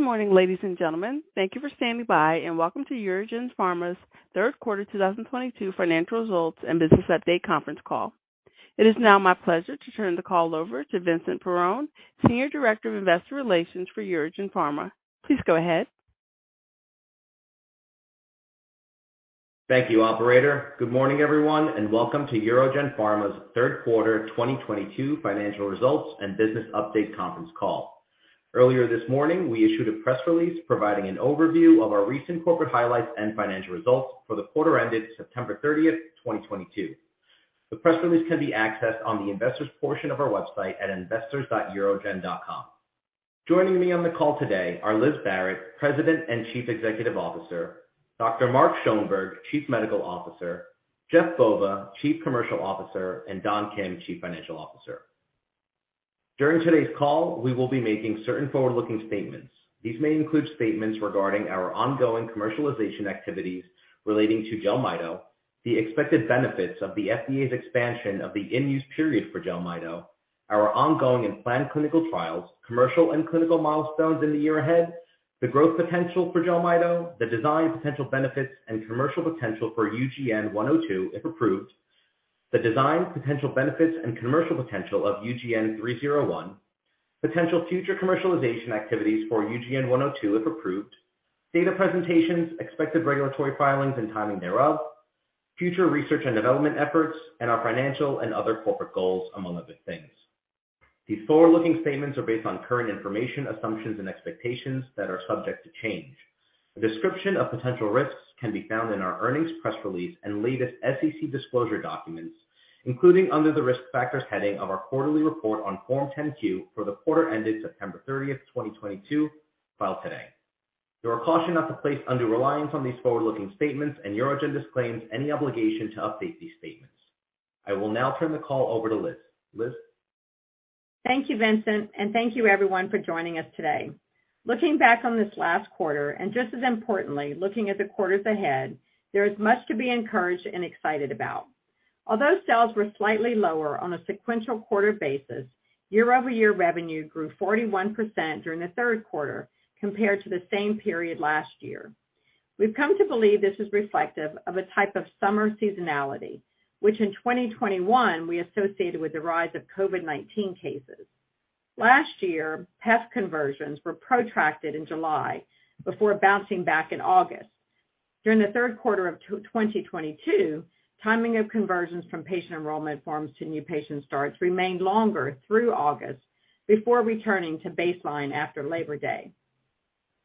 Good morning, ladies and gentlemen. Thank you for standing by, and welcome to UroGen Pharma's third quarter 2022 financial results and business update conference call. It is now my pleasure to turn the call over to Vincent Perrone, Senior Director of Investor Relations for UroGen Pharma. Please go ahead. Thank you, operator. Good morning, everyone, and welcome to UroGen Pharma's third quarter 2022 financial results and business update conference call. Earlier this morning, we issued a press release providing an overview of our recent corporate highlights and financial results for the quarter ended September 30th, 2022. The press release can be accessed on the investors' portion of our website at investors.urogen.com. Joining me on the call today are Liz Barrett, President and Chief Executive Officer, Dr. Mark Schoenberg, Chief Medical Officer, Jeff Bova, Chief Commercial Officer, and Don Kim, Chief Financial Officer. During today's call, we will be making certain forward-looking statements. These may include statements regarding our ongoing commercialization activities relating to JELMYTO, the expected benefits of the FDA's expansion of the in-use period for JELMYTO, our ongoing and planned clinical trials, commercial and clinical milestones in the year ahead, the growth potential for JELMYTO, the designed potential benefits and commercial potential for UGN-102, if approved, the designed potential benefits and commercial potential of UGN-301, potential future commercialization activities for UGN-102, if approved, data presentations, expected regulatory filings and timing thereof, future research and development efforts, and our financial and other corporate goals, among other things. These forward-looking statements are based on current information, assumptions, and expectations that are subject to change. A description of potential risks can be found in our earnings press release and latest SEC disclosure documents, including under the risk factors heading of our quarterly report on Form 10-Q for the quarter ended September 30th, 2022, filed today. You are cautioned not to place undue reliance on these forward-looking statements, and UroGen disclaims any obligation to update these statements. I will now turn the call over to Liz. Liz? Thank you, Vincent, and thank you everyone for joining us today. Looking back on this last quarter, and just as importantly, looking at the quarters ahead, there is much to be encouraged and excited about. Although sales were slightly lower on a sequential quarter basis, year-over-year revenue grew 41% during the third quarter compared to the same period last year. We've come to believe this is reflective of a type of summer seasonality, which in 2021 we associated with the rise of COVID-19 cases. Last year, path conversions were protracted in July before bouncing back in August. During the third quarter of 2022, timing of conversions from patient enrollment forms to new patient starts remained longer through August before returning to baseline after Labor Day.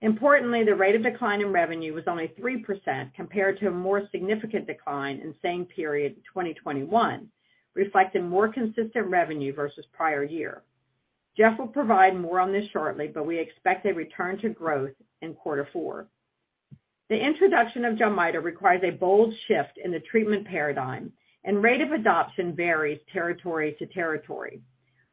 Importantly, the rate of decline in revenue was only 3% compared to a more significant decline in same period 2021, reflecting more consistent revenue versus prior year. Jeff will provide more on this shortly, but we expect a return to growth in quarter four. The introduction of JELMYTO requires a bold shift in the treatment paradigm, and rate of adoption varies territory to territory.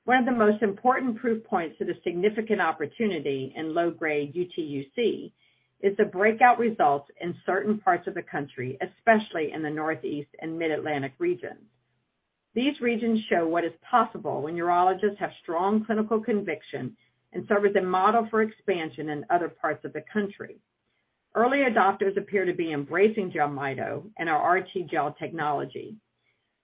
One of the most important proof points to the significant opportunity in low-grade UTUC is the breakout results in certain parts of the country, especially in the Northeast and Mid-Atlantic regions. These regions show what is possible when urologists have strong clinical conviction and serve as a model for expansion in other parts of the country. Early adopters appear to be embracing JELMYTO and our RTGel technology.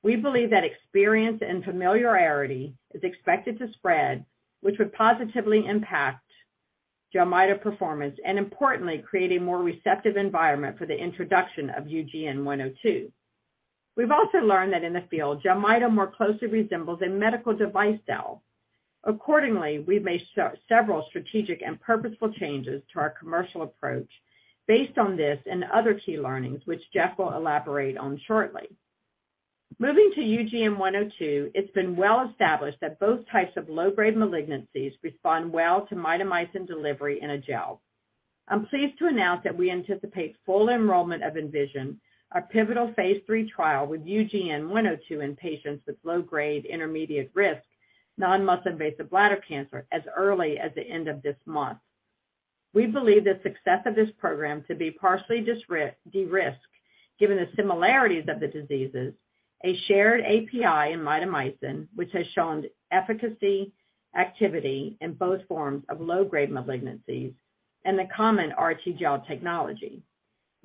We believe that experience and familiarity is expected to spread, which would positively impact JELMYTO performance, and importantly, create a more receptive environment for the introduction of UGN-102. We've also learned that in the field, JELMYTO more closely resembles a medical device sale. Accordingly, we've made several strategic and purposeful changes to our commercial approach based on this and other key learnings, which Jeff will elaborate on shortly. Moving to UGN-102, it's been well established that both types of low-grade malignancies respond well to mitomycin delivery in a gel. I'm pleased to announce that we anticipate full enrollment of ENVISION, our pivotal phase III trial with UGN-102 in patients with low-grade intermediate risk non-muscle invasive bladder cancer as early as the end of this month. We believe the success of this program to be partially derisked given the similarities of the diseases, a shared API in mitomycin, which has shown efficacy activity in both forms of low-grade malignancies and the common RTGel technology.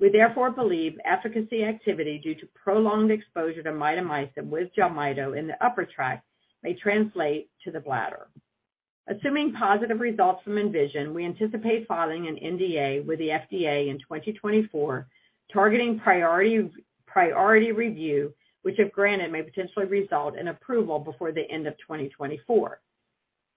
We therefore believe efficacy activity due to prolonged exposure to mitomycin with JELMYTO in the upper tract may translate to the bladder. Assuming positive results from ENVISION, we anticipate filing an NDA with the FDA in 2024, targeting priority review, which if granted, may potentially result in approval before the end of 2024.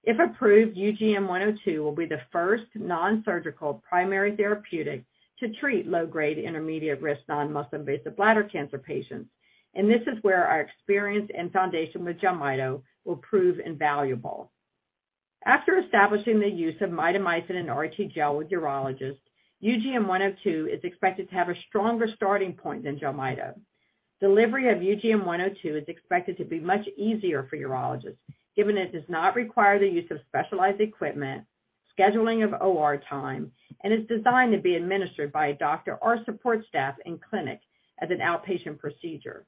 If approved, UGN-102 will be the first non-surgical primary therapeutic to treat low-grade intermediate risk non-muscle invasive bladder cancer patients, and this is where our experience and foundation with JELMYTO will prove invaluable. After establishing the use of mitomycin and RTGel with urologists, UGN-102 is expected to have a stronger starting point than JELMYTO. Delivery of UGN-102 is expected to be much easier for urologists, given it does not require the use of specialized equipment, scheduling of OR time, and is designed to be administered by a doctor or support staff in clinic as an outpatient procedure.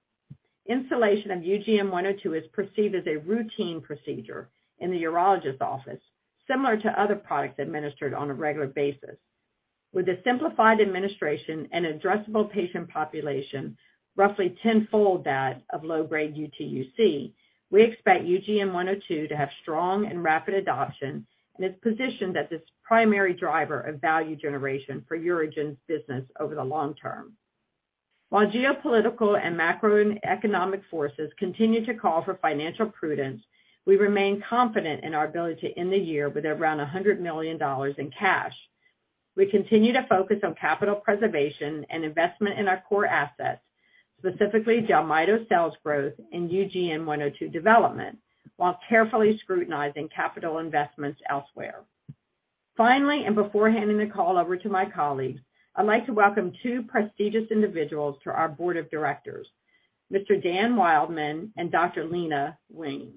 Installation of UGN-102 is perceived as a routine procedure in the urologist office, similar to other products administered on a regular basis. With a simplified administration and addressable patient population roughly tenfold that of low-grade UTUC, we expect UGN-102 to have strong and rapid adoption, and it's positioned as its primary driver of value generation for UroGen's business over the long-term. While geopolitical and macroeconomic forces continue to call for financial prudence, we remain confident in our ability to end the year with around $100 million in cash. We continue to focus on capital preservation and investment in our core assets, specifically JELMYTO sales growth and UGN-102 development, while carefully scrutinizing capital investments elsewhere. Finally, before handing the call over to my colleagues, I'd like to welcome two prestigious individuals to our board of directors, Mr. Dan Wildman and Dr. Leana Wen.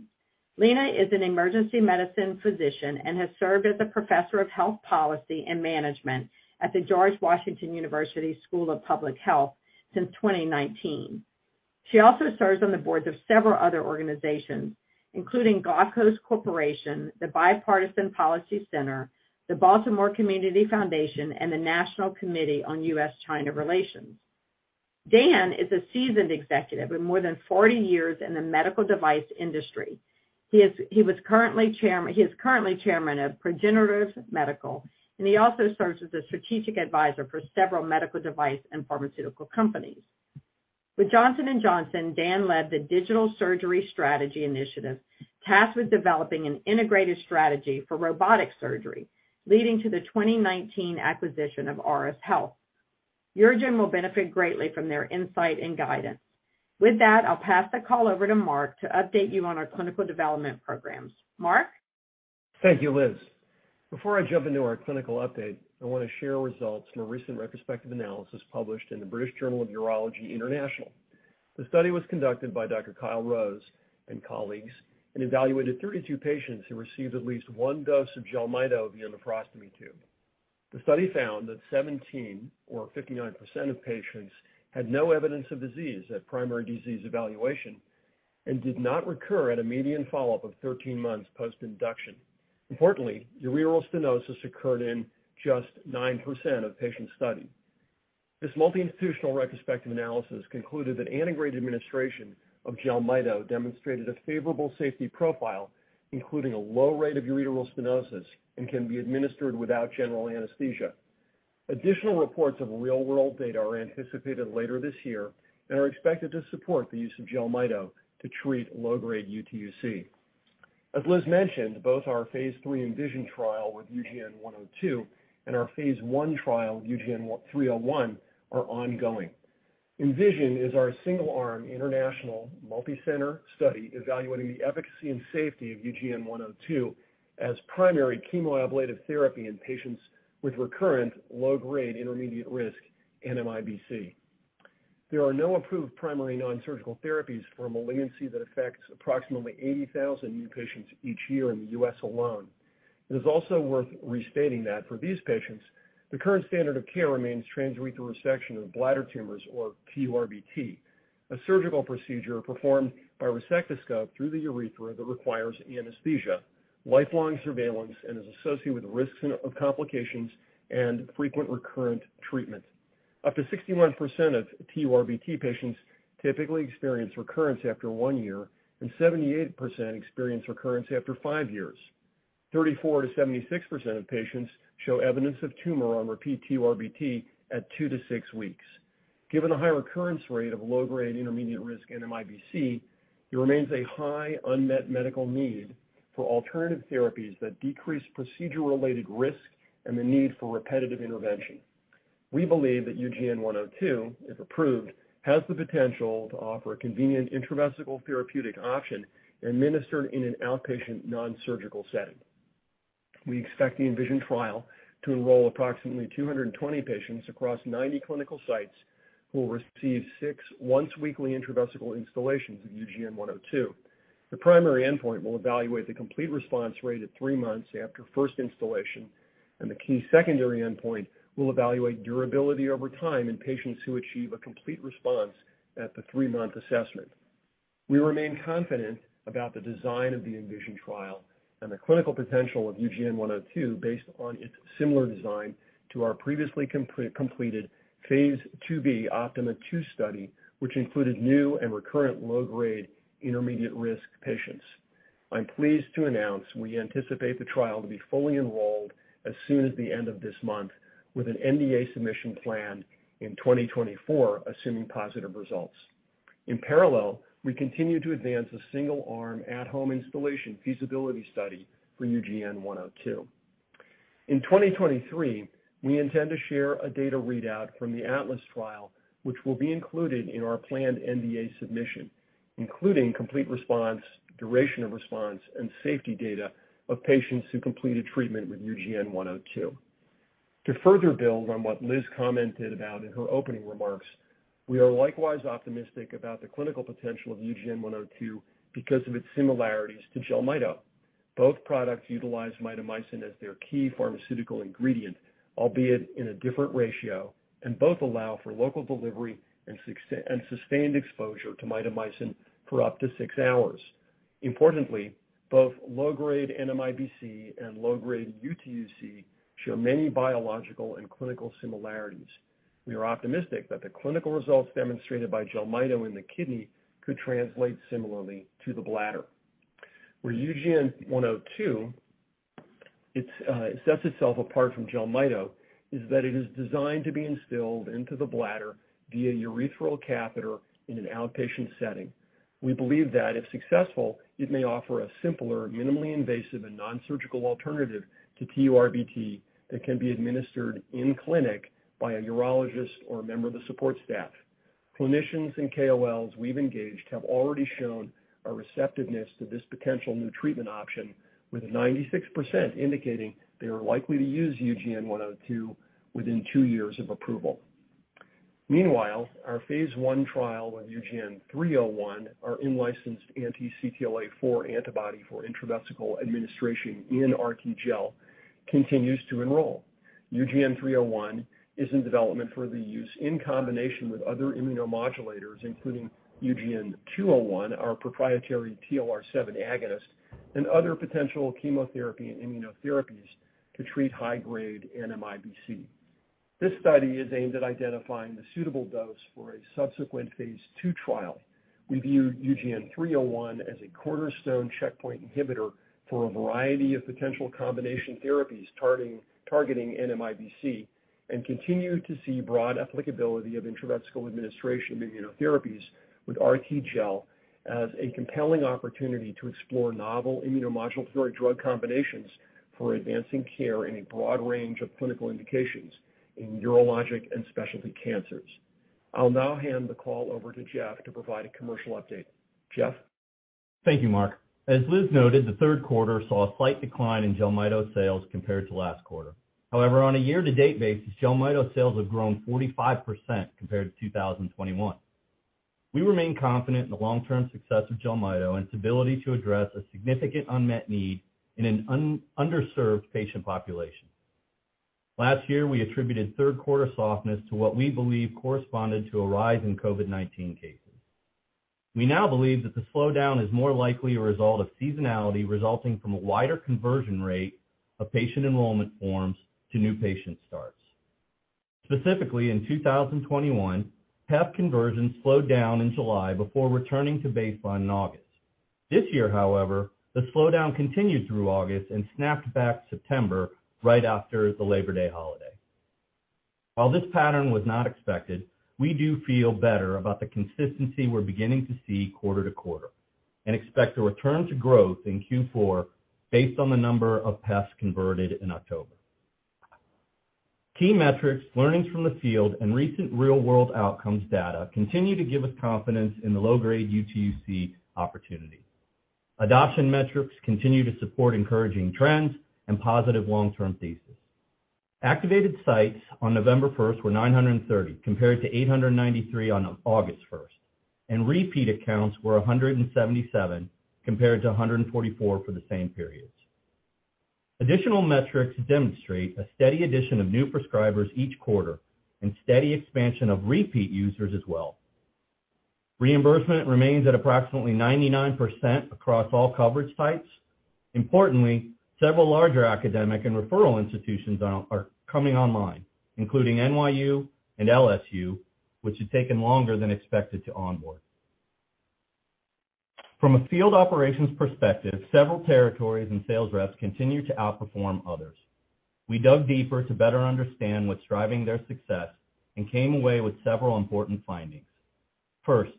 Leana is an emergency medicine physician and has served as a professor of health policy and management at the George Washington University School of Public Health since 2019. She also serves on the boards of several other organizations, including Glaukos Corporation, the Bipartisan Policy Center, the Baltimore Community Foundation, and the National Committee on U.S.-China Relations. Dan is a seasoned executive with more than 40 years in the medical device industry. He is currently Chairman of Progenerative Medical, and he also serves as a strategic advisor for several medical device and pharmaceutical companies. With Johnson & Johnson, Dan led the digital surgery strategy initiative, tasked with developing an integrated strategy for robotic surgery, leading to the 2019 acquisition of Auris Health. UroGen will benefit greatly from their insight and guidance. With that, I'll pass the call over to Mark to update you on our clinical development programs. Mark. Thank you, Liz. Before I jump into our clinical update, I want to share results from a recent retrospective analysis published in BJU International. The study was conducted by Dr. Kyle Rose and colleagues and evaluated 32 patients who received at least one dose of JELMYTO via nephrostomy tube. The study found that 17, or 59% of patients, had no evidence of disease at primary disease evaluation and did not recur at a median follow-up of 13 months post-induction. Importantly, ureteral stenosis occurred in just 9% of patients studied. This multi-institutional retrospective analysis concluded that integrated administration of JELMYTO demonstrated a favorable safety profile, including a low rate of ureteral stenosis, and can be administered without general anesthesia. Additional reports of real-world data are anticipated later this year and are expected to support the use of JELMYTO to treat low-grade UTUC. As Liz mentioned, both our phase III ENVISION trial with UGN-102 and our phase I trial, UGN-301 are ongoing. ENVISION is our single-arm international multi-center study evaluating the efficacy and safety of UGN-102 as primary chemoablative therapy in patients with recurrent low-grade intermediate-risk NMIBC. There are no approved primary nonsurgical therapies for a malignancy that affects approximately 80,000 new patients each year in the U.S. alone. It is also worth restating that for these patients, the current standard of care remains transurethral resection of bladder tumors or TURBT, a surgical procedure performed by resectoscope through the urethra that requires anesthesia, lifelong surveillance, and is associated with risks of complications and frequent recurrent treatment. Up to 61% of TURBT patients typically experience recurrence after one year, and 78% experience recurrence after five years. 34%-76% of patients show evidence of tumor on repeat TURBT at two to six weeks. Given the high recurrence rate of low-grade intermediate-risk NMIBC, it remains a high unmet medical need for alternative therapies that decrease procedure-related risk and the need for repetitive intervention. We believe that UGN-102, if approved, has the potential to offer a convenient intravesical therapeutic option administered in an outpatient non-surgical setting. We expect the ENVISION trial to enroll approximately 220 patients across 90 clinical sites who will receive six once-weekly intravesical installations of UGN-102. The primary endpoint will evaluate the complete response rate at three months after first installation, and the key secondary endpoint will evaluate durability over time in patients who achieve a complete response at the three-month assessment. We remain confident about the design of the ENVISION trial and the clinical potential of UGN-102 based on its similar design to our previously completed phase IIb OPTIMA II study, which included new and recurrent low-grade intermediate-risk patients. I'm pleased to announce we anticipate the trial to be fully enrolled as soon as the end of this month, with an NDA submission plan in 2024, assuming positive results. In parallel, we continue to advance a single-arm at-home installation feasibility study for UGN-102. In 2023, we intend to share a data readout from the ATLAS trial, which will be included in our planned NDA submission, including complete response, duration of response, and safety data of patients who completed treatment with UGN-102. To further build on what Liz commented about in her opening remarks, we are likewise optimistic about the clinical potential of UGN-102 because of its similarities to JELMYTO. Both products utilize mitomycin as their key pharmaceutical ingredient, albeit in a different ratio, and both allow for local delivery and sustained exposure to mitomycin for up to six hours. Importantly, both low-grade NMIBC and low-grade UTUC share many biological and clinical similarities. We are optimistic that the clinical results demonstrated by JELMYTO in the kidney could translate similarly to the bladder. Where UGN-102 sets itself apart from JELMYTO is that it is designed to be instilled into the bladder via urethral catheter in an outpatient setting. We believe that if successful, it may offer a simpler, minimally invasive and non-surgical alternative to TURBT that can be administered in clinic by a urologist or a member of the support staff. Clinicians and KOLs we've engaged have already shown a receptiveness to this potential new treatment option, with 96% indicating they are likely to use UGN-102 within two years of approval. Meanwhile, our phase I trial with UGN-301, our in-licensed anti-CTLA-4 antibody for intravesical administration in RTGel, continues to enroll. UGN-301 is in development for the use in combination with other immunomodulators, including UGN-201, our proprietary TLR7 agonist, and other potential chemotherapy and immunotherapies to treat high-grade NMIBC. This study is aimed at identifying the suitable dose for a subsequent phase II trial. We view UGN-301 as a cornerstone checkpoint inhibitor for a variety of potential combination therapies targeting NMIBC, and continue to see broad applicability of intravesical administration immunotherapies with RTGel as a compelling opportunity to explore novel immunomodulatory drug combinations for advancing care in a broad range of clinical indications in urologic and specialty cancers. I'll now hand the call over to Jeff to provide a commercial update. Jeff? Thank you, Mark. As Liz noted, the third quarter saw a slight decline in JELMYTO sales compared to last quarter. However, on a year-to-date basis, JELMYTO sales have grown 45% compared to 2021. We remain confident in the long-term success of JELMYTO and its ability to address a significant unmet need in an underserved patient population. Last year, we attributed third quarter softness to what we believe corresponded to a rise in COVID-19 cases. We now believe that the slowdown is more likely a result of seasonality resulting from a wider conversion rate of patient enrollment forms to new patient starts. Specifically, in 2021, PEP conversions slowed down in July before returning to baseline in August. This year, however, the slowdown continued through August and snapped back September right after the Labor Day holiday. While this pattern was not expected, we do feel better about the consistency we're beginning to see quarter to quarter and expect a return to growth in Q4 based on the number of PEPs converted in October. Key metrics, learnings from the field, and recent real-world outcomes data continue to give us confidence in the low-grade UTUC opportunity. Adoption metrics continue to support encouraging trends and positive long-term thesis. Activated sites on November 1st were 930 compared to 893 on August 1st, and repeat accounts were 177 compared to 144 for the same periods. Additional metrics demonstrate a steady addition of new prescribers each quarter and steady expansion of repeat users as well. Reimbursement remains at approximately 99% across all coverage types. Importantly, several larger academic and referral institutions are coming online, including NYU and LSU, which has taken longer than expected to onboard. From a field operations perspective, several territories and sales reps continue to outperform others. We dug deeper to better understand what's driving their success and came away with several important findings. First,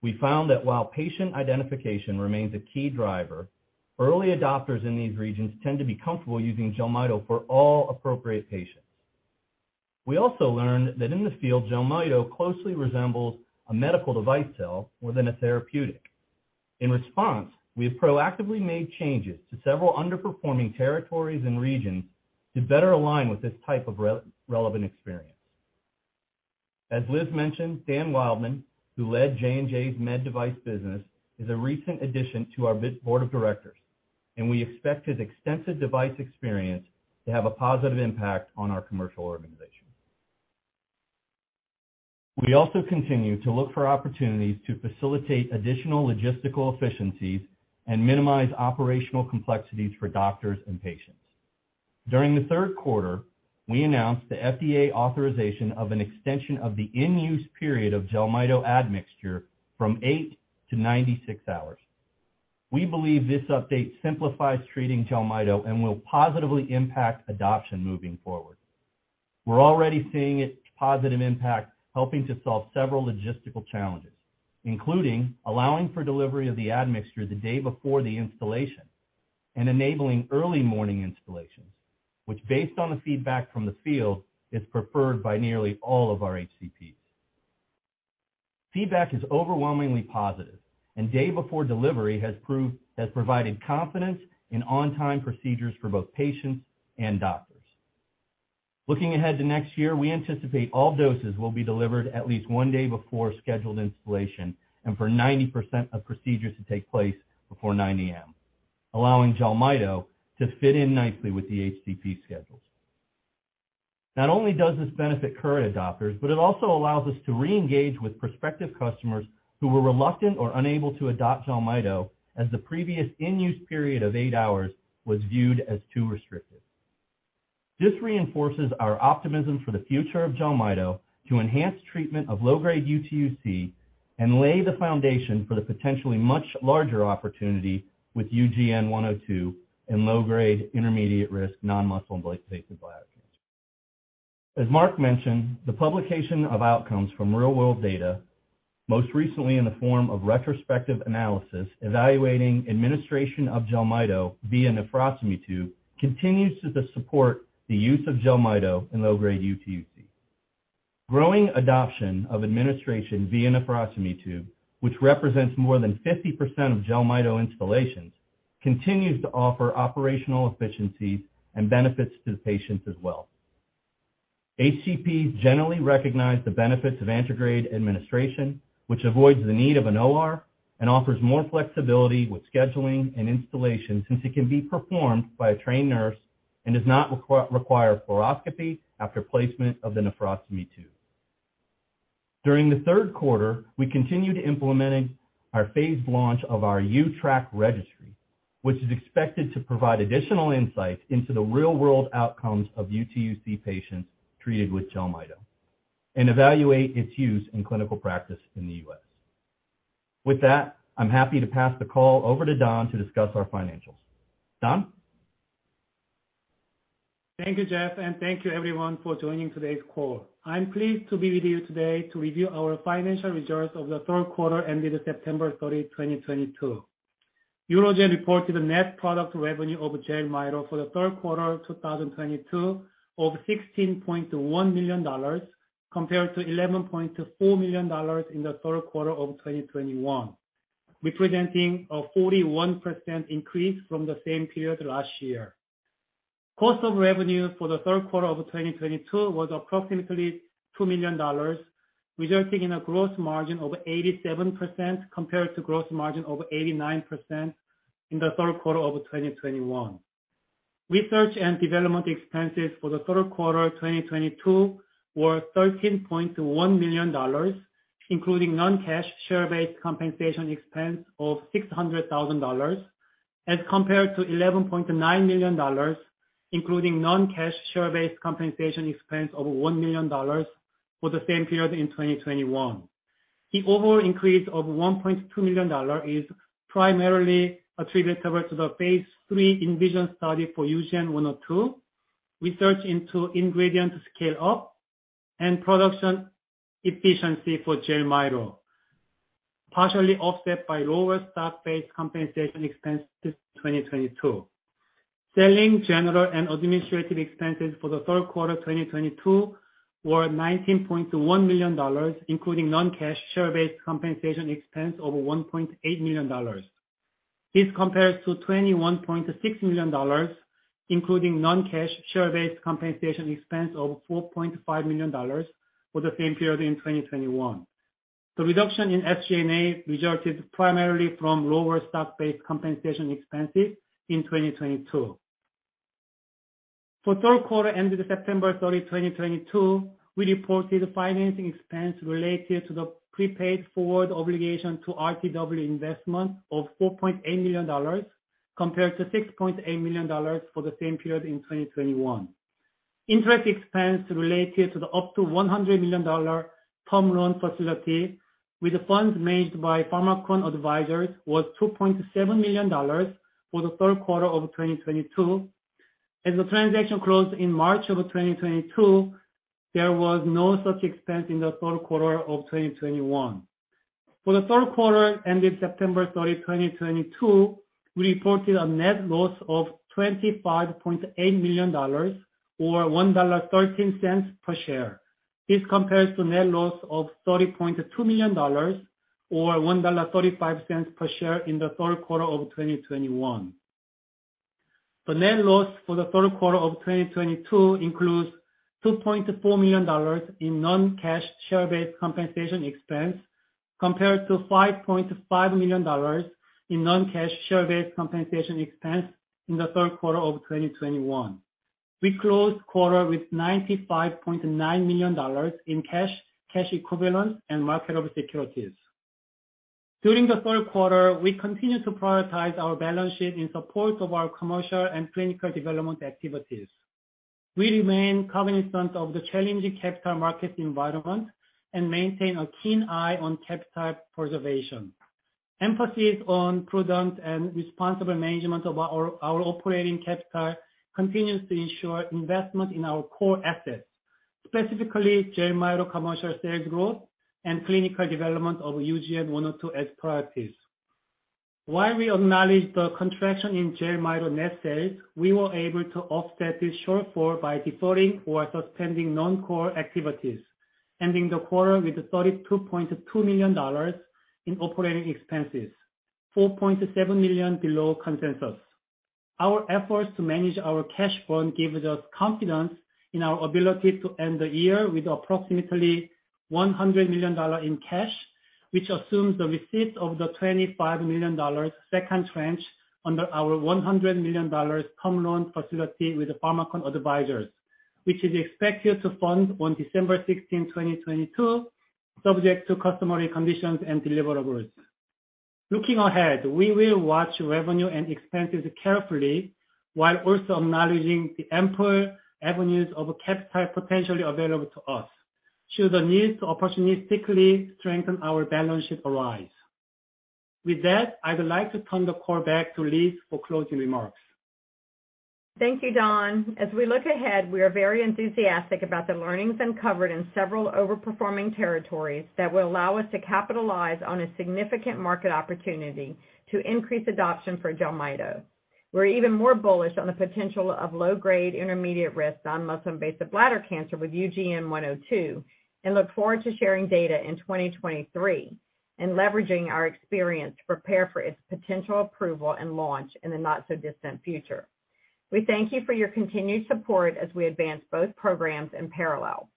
we found that while patient identification remains a key driver, early adopters in these regions tend to be comfortable using JELMYTO for all appropriate patients. We also learned that in the field, JELMYTO closely resembles a medical device sale within a therapeutic. In response, we have proactively made changes to several underperforming territories and regions to better align with this type of relevant experience. As Liz mentioned, Dan Wildman, who led J&J's med device business, is a recent addition to our board of directors, and we expect his extensive device experience to have a positive impact on our commercial organization. We also continue to look for opportunities to facilitate additional logistical efficiencies and minimize operational complexities for doctors and patients. During the third quarter, we announced the FDA authorization of an extension of the in-use period of JELMYTO admixture from eight to 96 hours. We believe this update simplifies treating JELMYTO and will positively impact adoption moving forward. We're already seeing its positive impact helping to solve several logistical challenges, including allowing for delivery of the admixture the day before the installation and enabling early morning installations, which based on the feedback from the field, is preferred by nearly all of our HCPs. Feedback is overwhelmingly positive, and day before delivery has proved Has provided confidence in on-time procedures for both patients and doctors. Looking ahead to next year, we anticipate all doses will be delivered at least one day before scheduled installation and for 90% of procedures to take place before 9:00 A.M., allowing JELMYTO to fit in nicely with the HCP schedules. Not only does this benefit current adopters, but it also allows us to re-engage with prospective customers who were reluctant or unable to adopt JELMYTO as the previous in-use period of eight hours was viewed as too restrictive. This reinforces our optimism for the future of JELMYTO to enhance treatment of low-grade UTUC and lay the foundation for the potentially much larger opportunity with UGN-102 in low-grade intermediate risk non-muscle invasive bladder cancer. As Mark mentioned, the publication of outcomes from real-world data, most recently in the form of retrospective analysis, evaluating administration of JELMYTO via nephrostomy tube, continues to support the use of JELMYTO in low-grade UTUC. Growing adoption of administration via nephrostomy tube, which represents more than 50% of JELMYTO installations, continues to offer operational efficiencies and benefits to the patients as well. HCPs generally recognize the benefits of antegrade administration, which avoids the need of an OR and offers more flexibility with scheduling and installation, since it can be performed by a trained nurse and does not require fluoroscopy after placement of the nephrostomy tube. During the third quarter, we continued implementing our phased launch of our uTRACT registry, which is expected to provide additional insight into the real-world outcomes of UTUC patients treated with JELMYTO and evaluate its use in clinical practice in the U.S. With that, I'm happy to pass the call over to Don to discuss our financials. Don? Thank you, Jeff, and thank you everyone for joining today's call. I'm pleased to be with you today to review our financial results of the third quarter ended September 30, 2022. UroGen reported a net product revenue of JELMYTO for the third quarter of 2022 of $16.1 million compared to $11.4 million in the third quarter of 2021, representing a 41% increase from the same period last year. Cost of revenue for the third quarter of 2022 was approximately $2 million, resulting in a gross margin of 87% compared to gross margin of 89% in the third quarter of 2021. Research and development expenses for the third quarter of 2022 were $13.1 million, including non-cash share-based compensation expense of $600,000 as compared to $11.9 million, including non-cash share-based compensation expense of $1 million for the same period in 2021. The overall increase of $1.2 million dollars is primarily attributable to the phase III ENVISION study for UGN-102, research into ingredient scale-up, and production efficiency for JELMYTO, partially offset by lower stock-based compensation expense this 2022. Selling, general, and administrative expenses for the third quarter of 2022 were $19.1 million, including non-cash share-based compensation expense of $1.8 million. This compares to $21.6 million, including non-cash share-based compensation expense of $4.5 million for the same period in 2021. The reduction in SG&A resulted primarily from lower stock-based compensation expenses in 2022. For third quarter ended September 30, 2022, we reported financing expense related to the prepaid forward obligation to RTW Investments of $4.8 million, compared to $6.8 million for the same period in 2021. Interest expense related to the up to $100 million term loan facility with the funds made by Pharmakon Advisors was $2.7 million for the third quarter of 2022. As the transaction closed in March 2022, there was no such expense in the third quarter of 2021. For the third quarter ended September 30, 2022, we reported a net loss of $25.8 million or $1.13 per share. This compares to net loss of $30.2 million or $1.35 per share in the third quarter of 2021. The net loss for the third quarter of 2022 includes $2.4 million in non-cash share-based compensation expense, compared to $5.5 million in non-cash share-based compensation expense in the third quarter of 2021. We closed quarter with $95.9 million in cash equivalents, and marketable securities. During the third quarter, we continued to prioritize our balance sheet in support of our commercial and clinical development activities. We remain cognizant of the challenging capital market environment and maintain a keen eye on capital preservation. Emphasis on prudent and responsible management of our operating capital continues to ensure investment in our core assets, specifically JELMYTO commercial sales growth and clinical development of UGN-102 as priorities. While we acknowledge the contraction in JELMYTO net sales, we were able to offset this shortfall by deferring or suspending non-core activities, ending the quarter with $32.2 million in operating expenses. $4.7 million below consensus. Our efforts to manage our cash burn gives us confidence in our ability to end the year with approximately $100 million dollar in cash, which assumes the receipt of the $25 million dollars second tranche under our $100 million dollars term loan facility with the Pharmakon Advisors, which is expected to fund on December 16th, 2022, subject to customary conditions and deliverables. Looking ahead, we will watch revenue and expenses carefully while also acknowledging the ample avenues of capital potentially available to us should the need to opportunistically strengthen our balance sheet arise. With that, I would like to turn the call back to Liz for closing remarks. Thank you, Don. As we look ahead, we are very enthusiastic about the learnings uncovered in several over-performing territories that will allow us to capitalize on a significant market opportunity to increase adoption for JELMYTO. We're even more bullish on the potential of low-grade intermediate-risk non-muscle invasive bladder cancer with UGN102, and look forward to sharing data in 2023 and leveraging our experience to prepare for its potential approval and launch in the not so distant future. We thank you for your continued support as we advance both programs in parallel.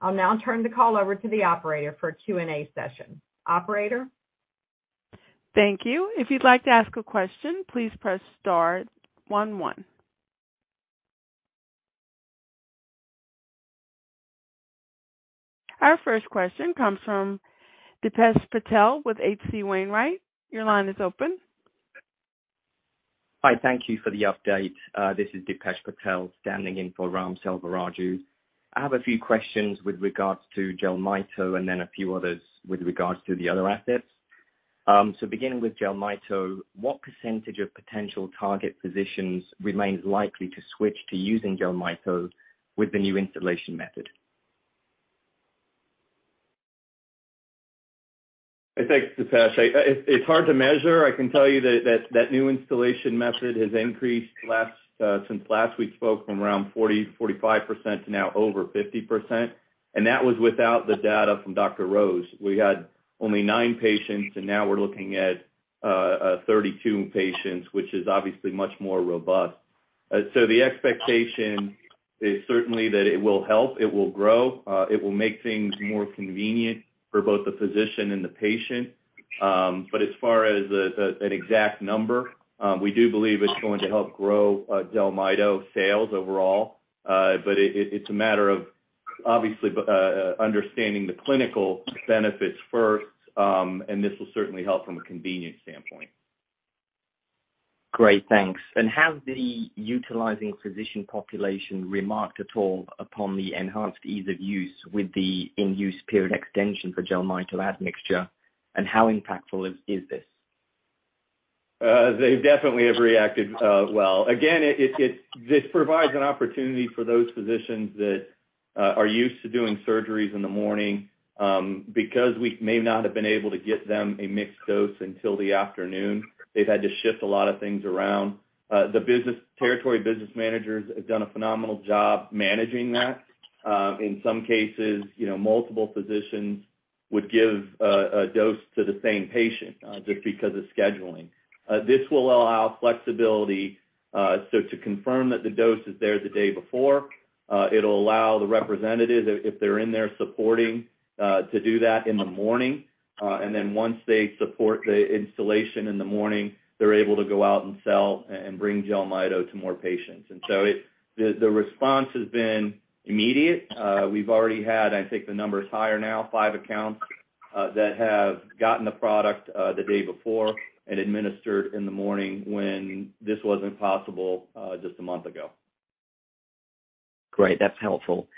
I'll now turn the call over to the operator for a Q&A session. Operator? Thank you. If you'd like to ask a question, please press star one one. Our first question comes from Dipesh Patel with H.C. Wainwright. Your line is open. Hi, thank you for the update. This is Dipesh Patel standing in for Ram Selvaraju. I have a few questions with regards to JELMYTO, and then a few others with regards to the other assets. Beginning with JELMYTO, what percentage of potential target physicians remains likely to switch to using JELMYTO with the new installation method? Thanks, Dipesh. It's hard to measure. I can tell you that new installation method has increased since last we spoke from around 45% to now over 50%, and that was without the data from Dr. Rose. We had only nine patients, and now we're looking at 32 patients, which is obviously much more robust. The expectation is certainly that it will help, it will grow, it will make things more convenient for both the physician and the patient. As far as an exact number, we do believe it's going to help grow JELMYTO sales overall. It's a matter of obviously understanding the clinical benefits first, and this will certainly help from a convenience standpoint. Great. Thanks. Has the utilizing physician population remarked at all upon the enhanced ease of use with the in-use period extension for JELMYTO admixture, and how impactful is this? They definitely have reacted well. Again, it provides an opportunity for those physicians that are used to doing surgeries in the morning. Because we may not have been able to get them a mixed dose until the afternoon, they've had to shift a lot of things around. The territory business managers have done a phenomenal job managing that. In some cases, you know, multiple physicians would give a dose to the same patient just because of scheduling. This will allow flexibility so to confirm that the dose is there the day before, it'll allow the representative, if they're in there supporting, to do that in the morning. Then once they support the installation in the morning, they're able to go out and sell and bring JELMYTO to more patients. The response has been immediate. We've already had, I think the number is higher now, five accounts that have gotten the product the day before and administered in the morning when this wasn't possible just a month ago. Great, that's helpful.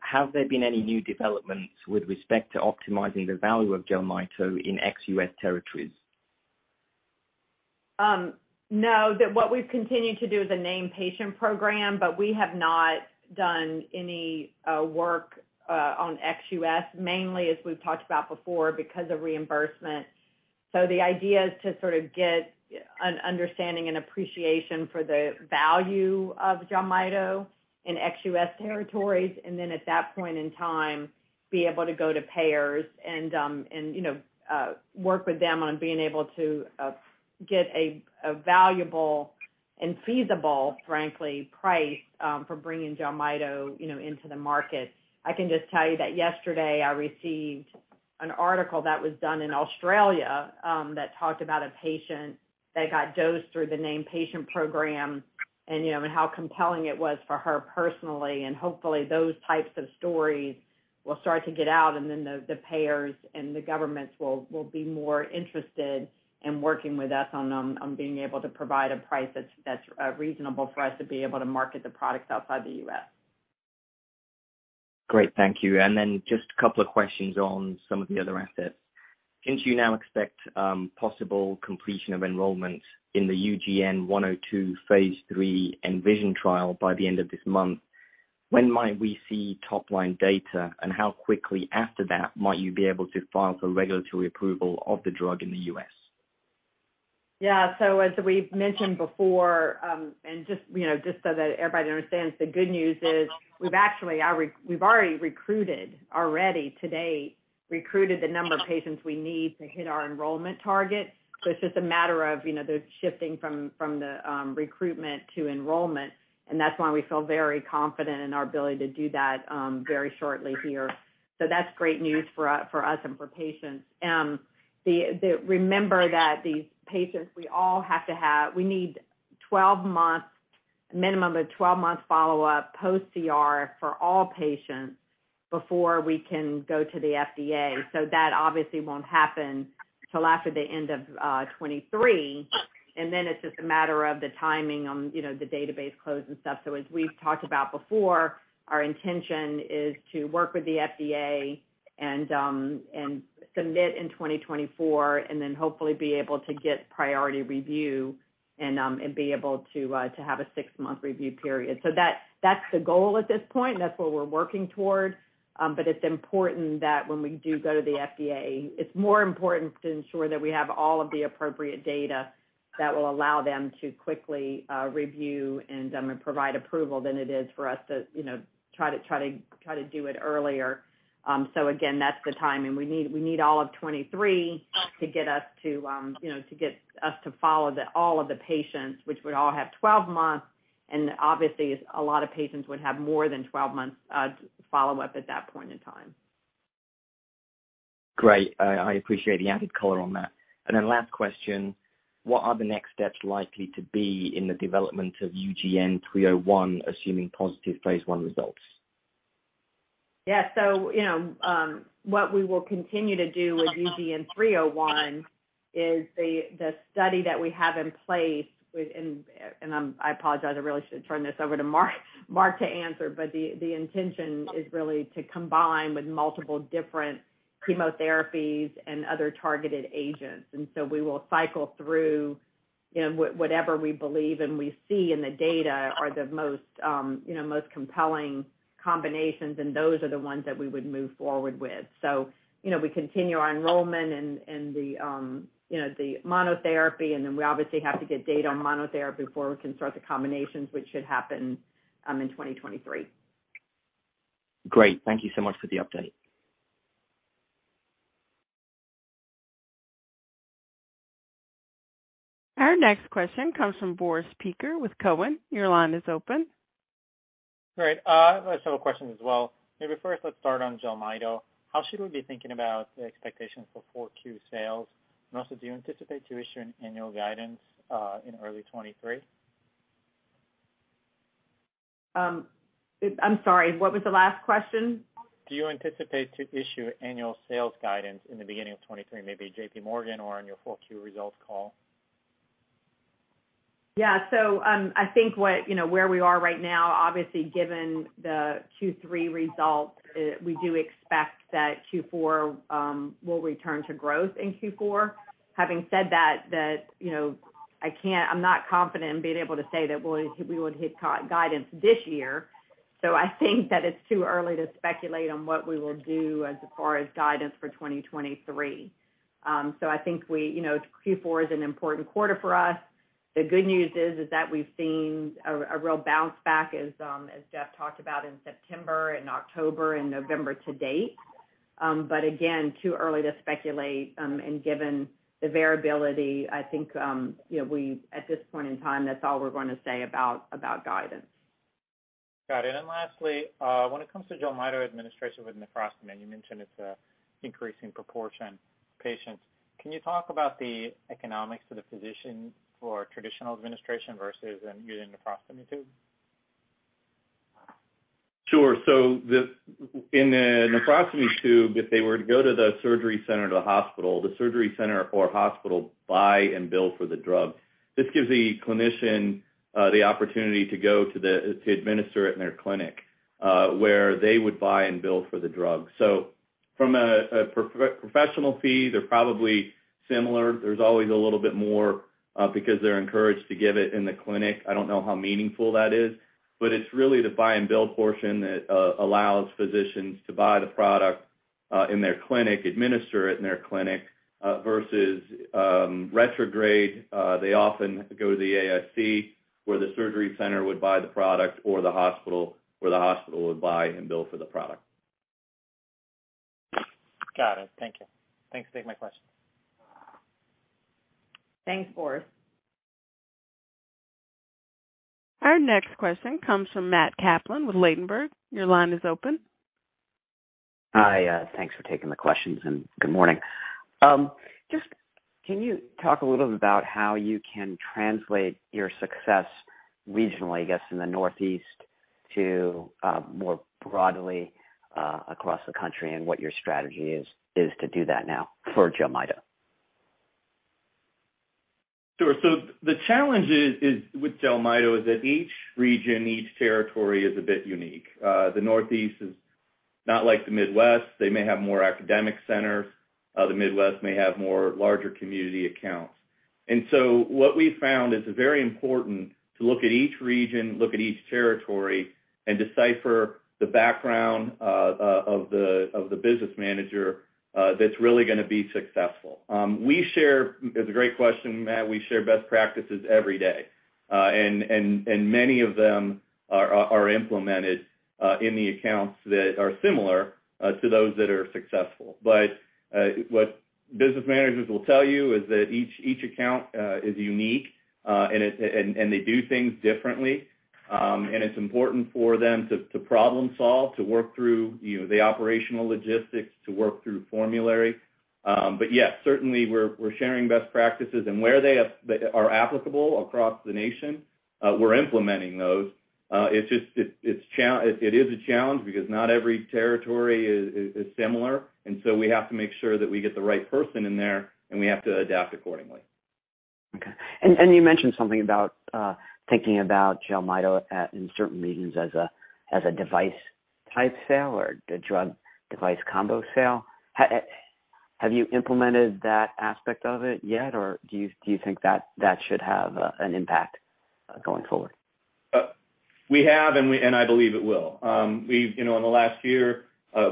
Have there been any new developments with respect to optimizing the value of JELMYTO in ex-U.S. territories? No. What we've continued to do is a named patient program, but we have not done any work on ex-U.S., mainly as we've talked about before, because of reimbursement. The idea is to sort of get an understanding and appreciation for the value of JELMYTO in ex-U.S. territories, and then at that point in time, be able to go to payers and, you know, work with them on being able to get a valuable and feasible, frankly, price for bringing JELMYTO, you know, into the market. I can just tell you that yesterday I received an article that was done in Australia that talked about a patient that got dosed through the named patient program and how compelling it was for her personally. Hopefully, those types of stories will start to get out, and then the payers and the governments will be more interested in working with us on being able to provide a price that's reasonable for us to be able to market the product outside the U.S. Great. Thank you. Just a couple of questions on some of the other assets. Since you now expect possible completion of enrollment in the UGN-102 phase III ENVISION trial by the end of this month, when might we see top-line data, and how quickly after that might you be able to file for regulatory approval of the drug in the U.S.? As we've mentioned before, you know, so that everybody understands, the good news is we've already recruited to date the number of patients we need to hit our enrollment target. It's just a matter of, you know, the shifting from the recruitment to enrollment, and that's why we feel very confident in our ability to do that very shortly here. That's great news for us and for patients. Remember that these patients, we all have to have. We need 12 months, a minimum of 12 months follow-up post-CR for all patients before we can go to the FDA. That obviously won't happen till after the end of 2023. Then it's just a matter of the timing on, you know, the database close and stuff. As we've talked about before, our intention is to work with the FDA and submit in 2024 and then hopefully be able to get priority review and be able to have a six-month review period. That's the goal at this point, and that's what we're working toward. But it's important that when we do go to the FDA, it's more important to ensure that we have all of the appropriate data that will allow them to quickly review and provide approval than it is for us to, you know, try to do it earlier. Again, that's the timing. We need all of 2023 to get us to follow all of the patients, which would all have 12 months, and obviously a lot of patients would have more than 12 months follow-up at that point in time. Great. I appreciate the added color on that. Last question, what are the next steps likely to be in the development of UGN-301, assuming positive phase I results? Yeah. You know, what we will continue to do with UGN-301 is the study that we have in place with... I apologize, I really should turn this over to Mark to answer. The intention is really to combine with multiple different chemotherapies and other targeted agents. We will cycle through, you know, whatever we believe and we see in the data are the most compelling combinations, and those are the ones that we would move forward with. You know, we continue our enrollment and the monotherapy, and then we obviously have to get data on monotherapy before we can start the combinations, which should happen in 2023. Great. Thank you so much for the update. Our next question comes from Boris Peaker with Cowen. Your line is open. Great. I just have a question as well. Maybe first let's start on JELMYTO. How should we be thinking about the expectations for 4Q sales? And also, do you anticipate to issue an annual guidance in early 2023? I'm sorry, what was the last question? Do you anticipate to issue annual sales guidance in the beginning of 2023, maybe JPMorgan or on your 4Q results call? Yeah. I think, you know, where we are right now, obviously given the Q3 results, we do expect that Q4 will return to growth in Q4. Having said that, I'm not confident in being able to say that we would hit our guidance this year. I think that it's too early to speculate on what we will do as far as guidance for 2023. I think, you know, Q4 is an important quarter for us. The good news is that we've seen a real bounce back as Jeff talked about in September and October and November to date. Again, too early to speculate, and given the variability, I think, you know, at this point in time, that's all we're gonna say about guidance. Got it. Lastly, when it comes to JELMYTO administration with nephrostomy, you mentioned it's a increasing proportion patients. Can you talk about the economics of the physician for traditional administration versus using nephrostomy tube? Sure. In a nephrostomy tube, if they were to go to the surgery center or the hospital, the surgery center or hospital buy and bill for the drug. This gives the clinician the opportunity to administer it in their clinic, where they would buy and bill for the drug. From a professional fee, they're probably similar. There's always a little bit more because they're encouraged to give it in the clinic. I don't know how meaningful that is. It's really the buy and bill portion that allows physicians to buy the product in their clinic, administer it in their clinic versus retrograde, they often go to the ASC, where the surgery center would buy the product or the hospital, where the hospital would buy and bill for the product. Got it. Thank you. Thanks for taking my question. Thanks, Boris. Our next question comes from Matt Kaplan with Ladenburg. Your line is open. Hi. Thanks for taking the questions, and good morning. Just can you talk a little bit about how you can translate your success regionally, I guess, in the Northeast to more broadly across the country and what your strategy is to do that now for JELMYTO? Sure. The challenge with JELMYTO is that each region, each territory is a bit unique. The Northeast is not like the Midwest. They may have more academic centers. The Midwest may have more larger community accounts. What we've found is it's very important to look at each region, look at each territory and decipher the background of the business manager that's really gonna be successful. It's a great question, Matt. We share best practices every day, and many of them are implemented in the accounts that are similar to those that are successful. What business managers will tell you is that each account is unique, and they do things differently. It's important for them to problem solve, to work through, you know, the operational logistics, to work through formulary. Yes, certainly we're sharing best practices. Where they are applicable across the nation, we're implementing those. It's just a challenge because not every territory is similar, and so we have to make sure that we get the right person in there, and we have to adapt accordingly. Okay. You mentioned something about thinking about JELMYTO in certain regions as a device type sale or a drug device combo sale. Have you implemented that aspect of it yet, or do you think that should have an impact going forward? We have, and I believe it will. We've, you know, in the last year,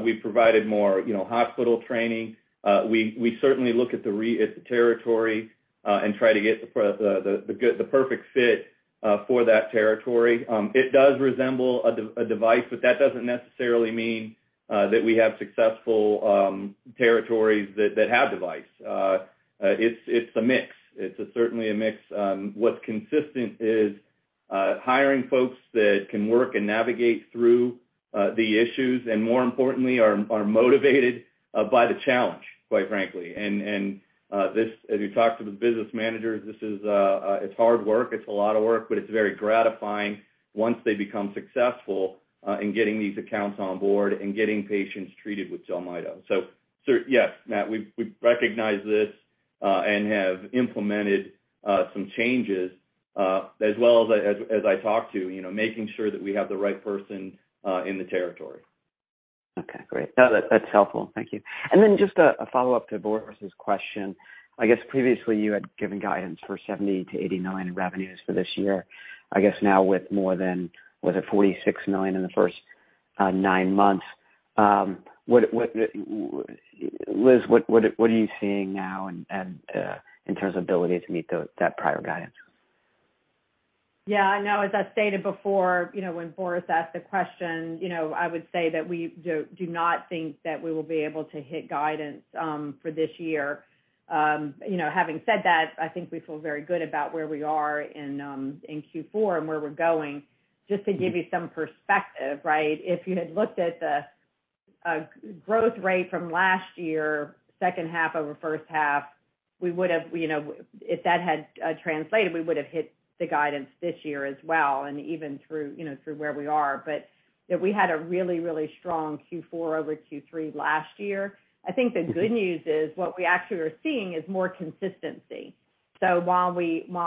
we've provided more, you know, hospital training. We certainly look at the territory and try to get the perfect fit for that territory. It does resemble a device, but that doesn't necessarily mean that we have successful territories that have device. It's a mix. It's certainly a mix. What's consistent is hiring folks that can work and navigate through the issues, and more importantly, are motivated by the challenge, quite frankly. As you talk to the business managers, this is hard work. It's a lot of work, but it's very gratifying once they become successful in getting these accounts on board and getting patients treated with JELMYTO. Yes, Matt, we've recognized this and have implemented some changes as well as I talked to, you know, making sure that we have the right person in the territory. Okay, great. No, that's helpful. Thank you. Then just a follow-up to Boris's question. I guess previously you had given guidance for $70 million-$80 million in revenues for this year. I guess now with more than $46 million in the first nine months, Liz, what are you seeing now and in terms of ability to meet that prior guidance? Yeah, no, as I stated before, you know, when Boris asked the question, you know, I would say that we do not think that we will be able to hit guidance for this year. You know, having said that, I think we feel very good about where we are in Q4 and where we're going. Just to give you some perspective, right? If you had looked at the growth rate from last year, second half over first half, we would've, you know, if that had translated, we would've hit the guidance this year as well, and even through where we are. You know, we had a really strong Q4 over Q3 last year. I think the good news is what we actually are seeing is more consistency. While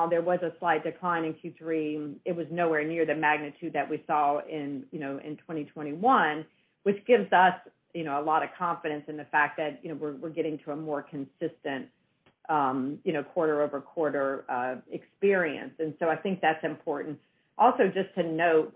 there was a slight decline in Q3, it was nowhere near the magnitude that we saw in, you know, in 2021, which gives us, you know, a lot of confidence in the fact that, you know, we're getting to a more consistent, you know, quarter-over-quarter experience. I think that's important. Also, just to note,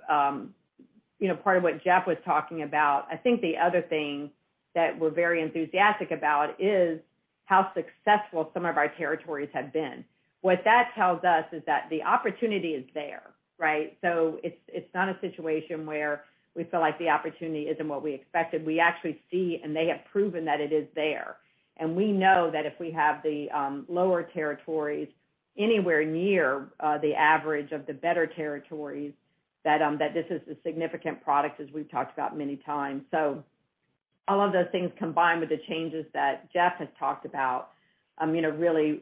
you know, part of what Jeff was talking about, I think the other thing that we're very enthusiastic about is how successful some of our territories have been. What that tells us is that the opportunity is there, right? It's not a situation where we feel like the opportunity isn't what we expected. We actually see, and they have proven that it is there. We know that if we have the lower territories anywhere near the average of the better territories, that this is a significant product as we've talked about many times. All of those things combined with the changes that Jeff has talked about, you know, really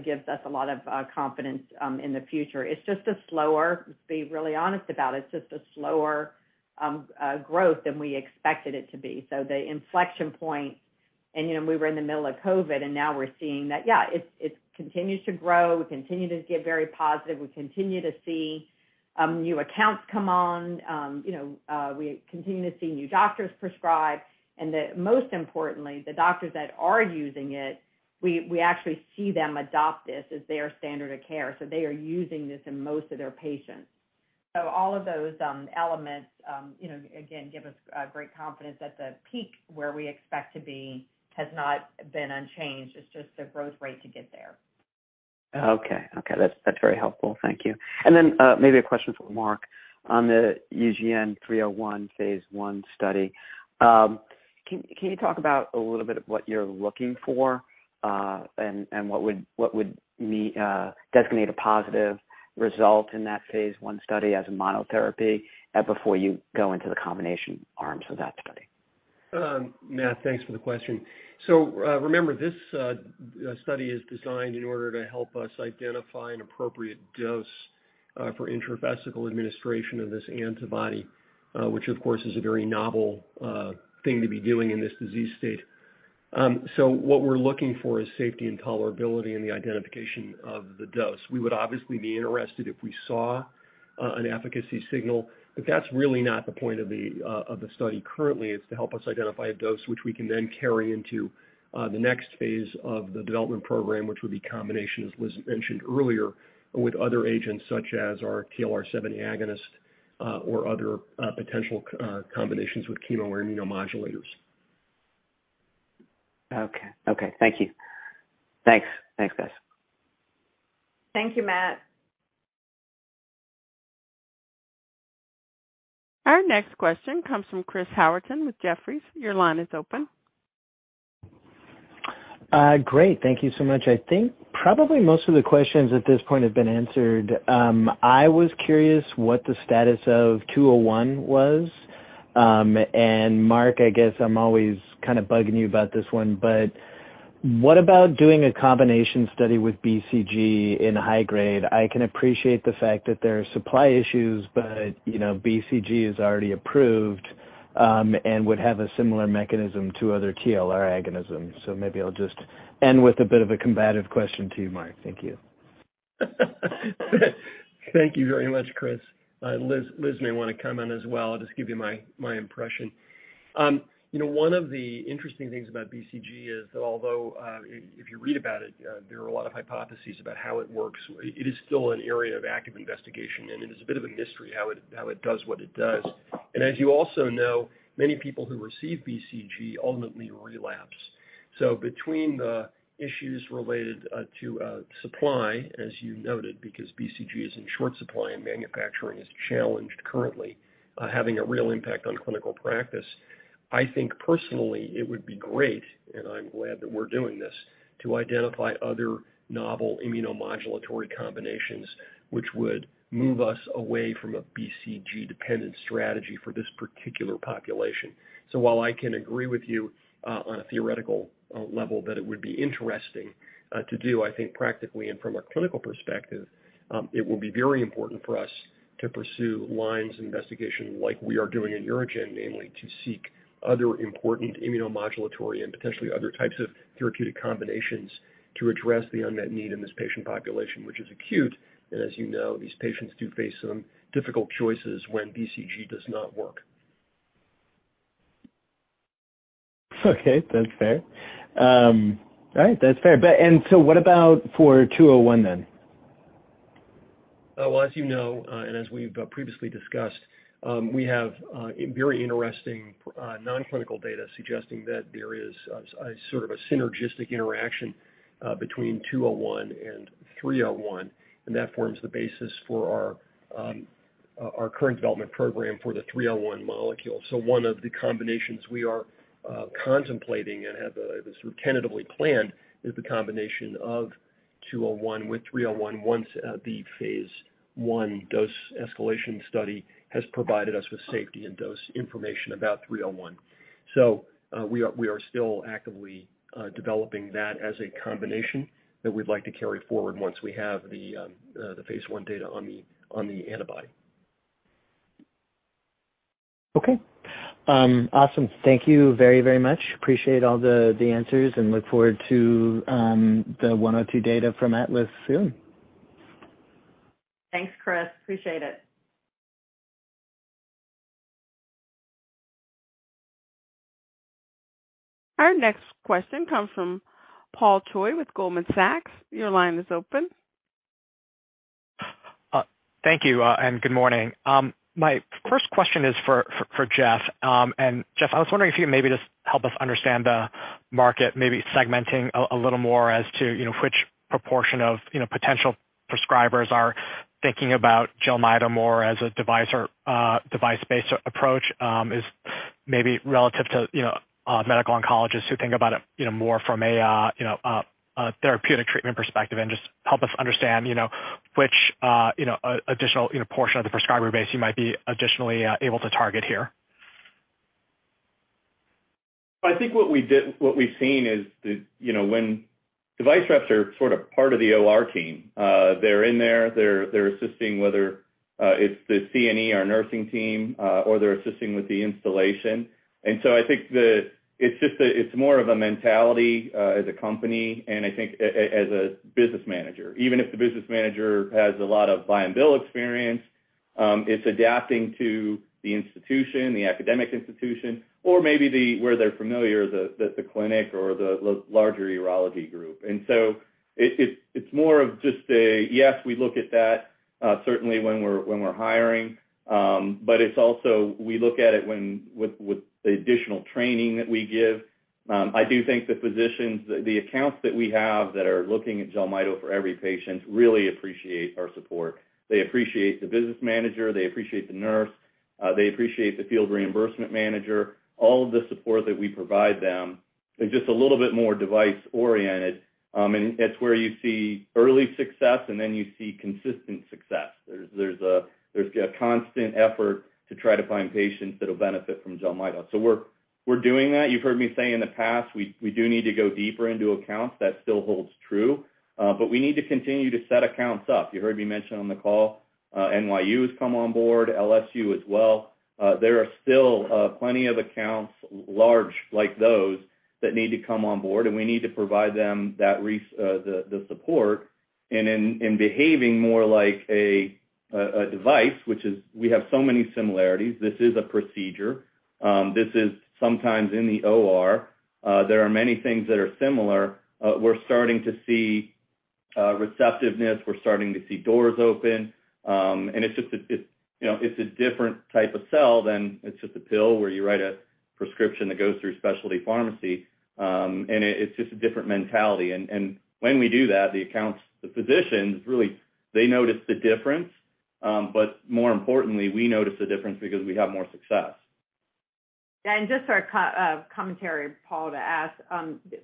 gives us a lot of confidence in the future. It's just a slower growth than we expected it to be, to be really honest about. The inflection point and, you know, we were in the middle of COVID, and now we're seeing that it continues to grow. We continue to get very positive. We continue to see new accounts come on. You know, we continue to see new doctors prescribe. Most importantly, the doctors that are using it, we actually see them adopt this as their standard of care. They are using this in most of their patients. All of those elements, you know, again, give us great confidence that the peak where we expect to be has not been unchanged. It's just the growth rate to get there. Okay. That's very helpful. Thank you. Then, maybe a question for Mark on the UGN-301 phase I study. Can you talk about a little bit of what you're looking for, and what would designate a positive result in that phase I study as a monotherapy, before you go into the combination arms of that study? Matt, thanks for the question. Remember this study is designed in order to help us identify an appropriate dose for intravesical administration of this antibody, which of course is a very novel thing to be doing in this disease state. What we're looking for is safety and tolerability in the identification of the dose. We would obviously be interested if we saw an efficacy signal, but that's really not the point of the study currently. It's to help us identify a dose which we can then carry into the next phase of the development program, which would be combination, as Liz mentioned earlier, with other agents such as our TLR7 agonist Other potential combinations with chemo or immunomodulators. Okay. Thank you. Thanks, guys. Thank you, Matt. Our next question comes from Chris Howerton with Jefferies. Your line is open. Great. Thank you so much. I think probably most of the questions at this point have been answered. I was curious what the status of 201 was. Mark, I guess I'm always kind of bugging you about this one, but what about doing a combination study with BCG in high grade? I can appreciate the fact that there are supply issues, but, you know, BCG is already approved, and would have a similar mechanism to other TLR agonism. Maybe I'll just end with a bit of a combative question to you, Mark. Thank you. Thank you very much, Chris. Liz may want to comment as well. I'll just give you my impression. You know, one of the interesting things about BCG is, although if you read about it, there are a lot of hypotheses about how it works. It is still an area of active investigation, and it is a bit of a mystery how it does what it does. As you also know, many people who receive BCG ultimately relapse. Between the issues related to supply, as you noted, because BCG is in short supply and manufacturing is challenged currently, having a real impact on clinical practice, I think personally it would be great, and I'm glad that we're doing this, to identify other novel immunomodulatory combinations which would move us away from a BCG-dependent strategy for this particular population. While I can agree with you on a theoretical level that it would be interesting to do, I think practically and from a clinical perspective, it will be very important for us to pursue lines of investigation like we are doing in UroGen, namely to seek other important immunomodulatory and potentially other types of therapeutic combinations to address the unmet need in this patient population, which is acute. As you know, these patients do face some difficult choices when BCG does not work. Okay, that's fair. All right. That's fair. What about for 201 then? Well, as you know, and as we've previously discussed, we have very interesting non-clinical data suggesting that there is a sort of a synergistic interaction between 201 and 301, and that forms the basis for our current development program for the 301 molecule. One of the combinations we are contemplating and have sort of tentatively planned is the combination of 201 with 301 once the phase I dose escalation study has provided us with safety and dose information about 301. We are still actively developing that as a combination that we'd like to carry forward once we have the phase I data on the antibody. Okay. Awesome. Thank you very, very much. Appreciate all the answers, and look forward to the 102 data from ATLAS soon. Thanks, Chris. Appreciate it. Our next question comes from Paul Choi with Goldman Sachs. Your line is open. Thank you, and good morning. My first question is for Jeff. Jeff, I was wondering if you maybe just help us understand the market, maybe segmenting a little more as to which proportion of potential prescribers are thinking about JELMYTO more as a device or device-based approach relative to medical oncologists who think about it more from a therapeutic treatment perspective and just help us understand which additional portion of the prescriber base you might be additionally able to target here. I think what we've seen is the you know, when device reps are sort of part of the OR team, they're in there, they're assisting, whether it's the CNE, our nursing team, or they're assisting with the installation. I think it's just that it's more of a mentality, as a company and I think as a business manager. Even if the business manager has a lot of buy and bill experience, it's adapting to the institution, the academic institution, or maybe where they're familiar, the clinic or the larger urology group. It's more of just a yes, we look at that certainly when we're hiring, but it's also we look at it when with the additional training that we give. I do think the physicians, the accounts that we have that are looking at JELMYTO for every patient really appreciate our support. They appreciate the business manager. They appreciate the nurse. They appreciate the field reimbursement manager. All of the support that we provide them is just a little bit more device oriented, and that's where you see early success, and then you see consistent success. There's a constant effort to try to find patients that'll benefit from JELMYTO. We're doing that. You've heard me say in the past, we do need to go deeper into accounts. That still holds true, but we need to continue to set accounts up. You heard me mention on the call, NYU has come on board, LSU as well. There are still plenty of accounts large like those that need to come on board, and we need to provide them the support. In behaving more like a device, which is we have so many similarities. This is a procedure. This is sometimes in the OR. There are many things that are similar. We're starting to see receptiveness. We're starting to see doors open. It's just a, you know, it's a different type of sell than it's just a pill where you write a prescription that goes through specialty pharmacy. It's just a different mentality. When we do that, the accounts, the physicians really, they notice the difference. But more importantly, we notice the difference because we have more success. Just for a commentary, Paul, to ask.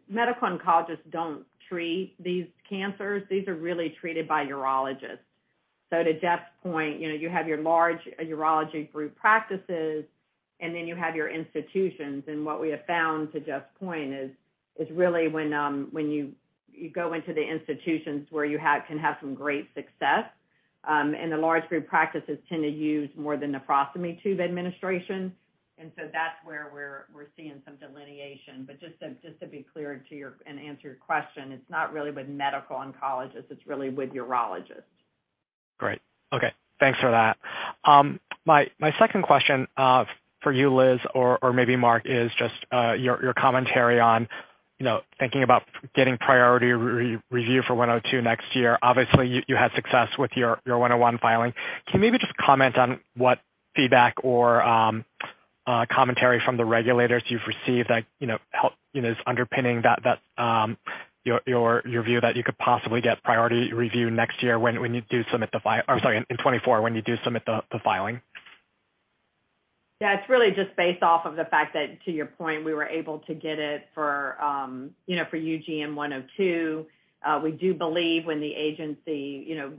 Medical oncologists don't treat these cancers. These are really treated by urologists. To Jeff's point, you know, you have your large urology group practices, and then you have your institutions. What we have found, to Jeff's point, is really when you go into the institutions where you can have some great success. The large group practices tend to use more the nephrostomy tube administration. That's where we're seeing some delineation. Just to be clear to you and answer your question, it's not really with medical oncologists, it's really with urologists. Great. Okay. Thanks for that. My second question for you, Liz, or maybe Mark, is just your commentary on you know thinking about getting priority review for one oh two next year. Obviously, you had success with your one oh one filing. Can you maybe just comment on what feedback or commentary from the regulators you've received that you know is underpinning that your view that you could possibly get priority review next year or I'm sorry, in 2024, when you do submit the filing? Yeah, it's really just based off of the fact that, to your point, we were able to get it for, you know, for UGN-102. We do believe when the agency, you know,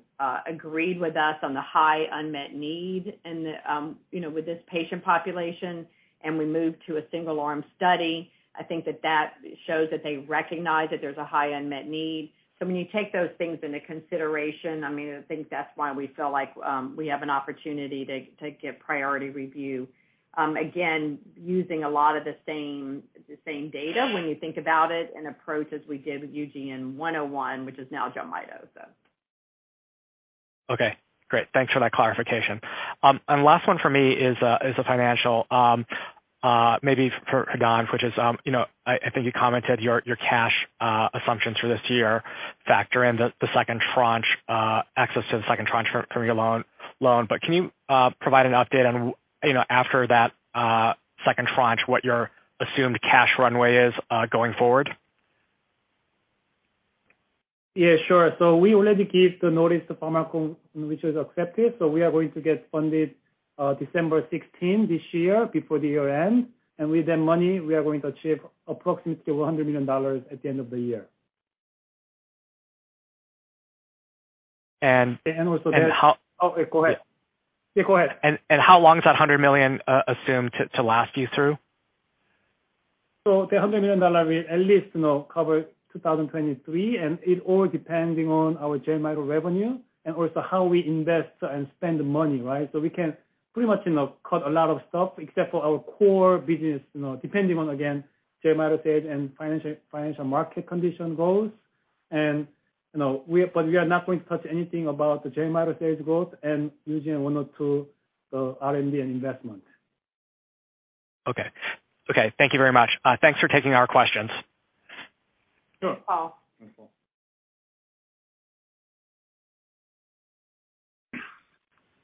agreed with us on the high unmet need in the, you know, with this patient population, and we moved to a single arm study. I think that shows that they recognize that there's a high unmet need. When you take those things into consideration, I mean, I think that's why we feel like we have an opportunity to get priority review. Again, using a lot of the same data when you think about it and approach as we did with UGN-101, which is now JELMYTO, so. Okay. Great. Thanks for that clarification. And last one for me is a financial, maybe for Don, which is, you know, I think you commented your cash assumptions for this year factor in the second tranche, access to the second tranche for your loan. But can you provide an update on, you know, after that second tranche, what your assumed cash runway is going forward? Yeah, sure. We already gave the notice to Pharmakon, which was accepted, so we are going to get funded, December 16 this year, before the year ends. With that money, we are going to achieve approximately $100 million at the end of the year. And- And also that- And how- Oh, go ahead. Yeah, go ahead. How long is that $100 million assumed to last you through? The $100 million will at least, you know, cover 2023, and it all depending on our JELMYTO revenue and also how we invest and spend money, right? We can pretty much, you know, cut a lot of stuff except for our core business, you know, depending on, again, JELMYTO sales and financial market condition goals. We are not going to touch anything about the JELMYTO sales growth and UGN-102 R&D and investment. Okay. Okay, thank you very much. Thanks for taking our questions. Sure. Paul. Thanks, Paul.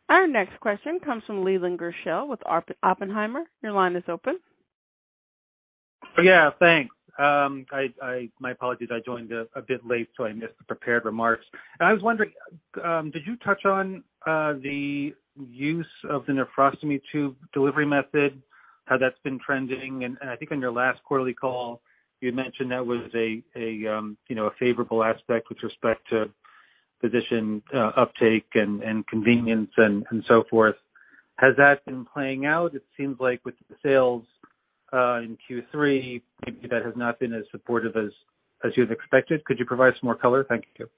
Our next question comes from Leland Gershell with Oppenheimer. Your line is open. Yeah, thanks. My apologies, I joined a bit late, so I missed the prepared remarks. I was wondering, did you touch on the use of the nephrostomy tube delivery method, how that's been trending? I think on your last quarterly call, you had mentioned that was you know a favorable aspect with respect to physician uptake and convenience and so forth. Has that been playing out? It seems like with the sales in Q3, maybe that has not been as supportive as you'd expected. Could you provide some more color? Thank you.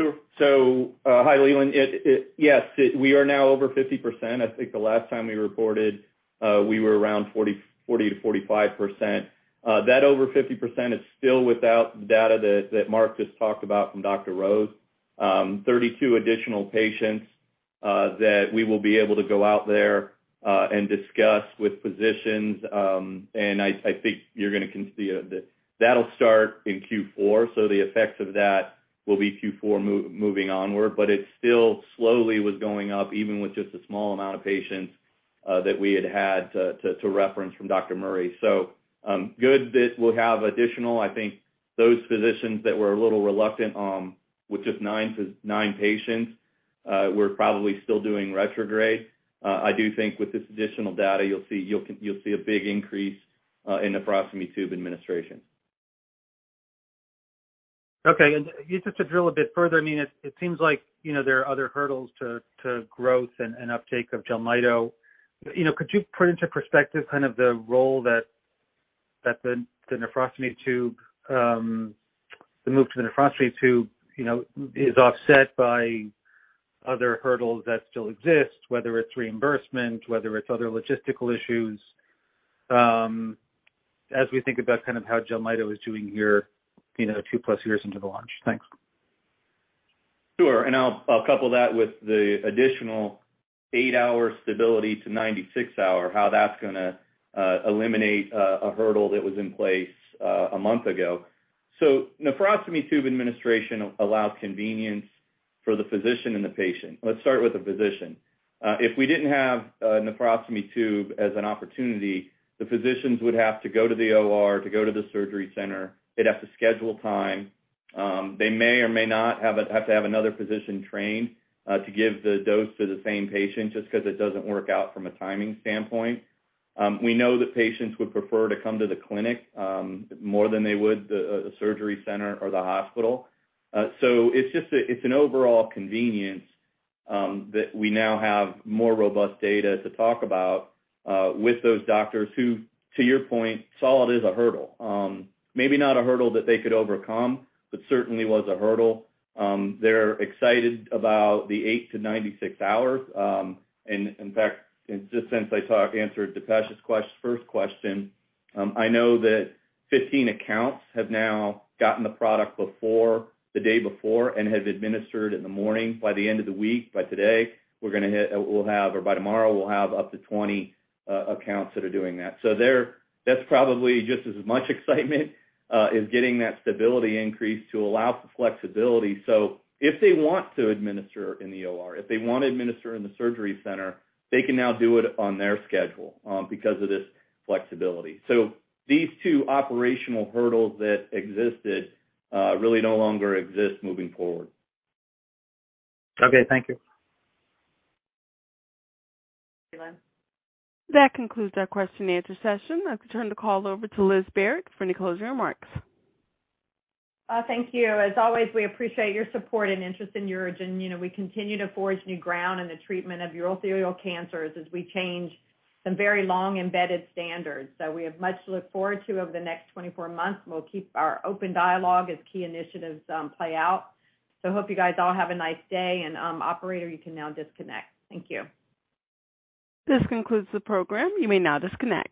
Sure. Hi, Leland. We are now over 50%. I think the last time we reported, we were around 40%-45%. That over 50% is still without the data that Mark just talked about from Dr. Rose. 32 additional patients that we will be able to go out there and discuss with physicians. I think you're gonna see. That'll start in Q4, so the effects of that will be Q4 moving onward. It still slowly was going up, even with just the small amount of patients that we had to reference from Dr. Murray. Good that we'll have additional. I think those physicians that were a little reluctant with just nine patients were probably still doing retrograde. I do think with this additional data, you'll see a big increase in the nephrostomy tube administration. Okay. Just to drill a bit further, I mean, it seems like, you know, there are other hurdles to growth and uptake of JELMYTO. You know, could you put into perspective kind of the role that the nephrostomy tube, the move to the nephrostomy tube, you know, is offset by other hurdles that still exist, whether it's reimbursement, whether it's other logistical issues, as we think about kind of how JELMYTO is doing here, you know, 2+ years into the launch? Thanks. Sure. I'll couple that with the additional eight-hour stability to 96-hour, how that's gonna eliminate a hurdle that was in place a month ago. Nephrostomy tube administration allows convenience for the physician and the patient. Let's start with the physician. If we didn't have a nephrostomy tube as an opportunity, the physicians would have to go to the OR to go to the surgery center. They'd have to schedule time. They may or may not have to have another physician trained to give the dose to the same patient just 'cause it doesn't work out from a timing standpoint. We know that patients would prefer to come to the clinic more than they would the surgery center or the hospital. It's just a It's an overall convenience that we now have more robust data to talk about with those doctors who, to your point, saw it as a hurdle. Maybe not a hurdle that they could overcome, but certainly was a hurdle. They're excited about the eight-96 hours. In fact, just since I answered Dipesh's first question, I know that 15 accounts have now gotten the product the day before and have administered in the morning. By the end of the week, by today, or by tomorrow, we'll have up to 20 accounts that are doing that. That's probably just as much excitement as getting that stability increase to allow for flexibility. If they want to administer in the OR, if they wanna administer in the surgery center, they can now do it on their schedule, because of this flexibility. These two operational hurdles that existed, really no longer exist moving forward. Okay. Thank you. That concludes our question-and-answer session. I'll turn the call over to Liz Barrett for any closing remarks. Thank you. As always, we appreciate your support and interest in UroGen. You know, we continue to forge new ground in the treatment of urothelial cancers as we change some very long-embedded standards. We have much to look forward to over the next 24 months, and we'll keep our open dialogue as key initiatives play out. Hope you guys all have a nice day. Operator, you can now disconnect. Thank you. This concludes the program. You may now disconnect.